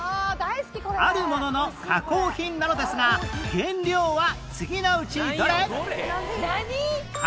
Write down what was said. あるものの加工品なのですが原料は次のうちどれ？